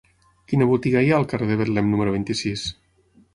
Quina botiga hi ha al carrer de Betlem número vint-i-sis?